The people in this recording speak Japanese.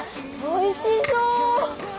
おいしそう！